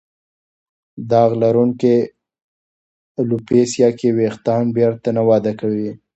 داغ لرونکې الوپیسیا کې وېښتان بېرته نه وده کوي.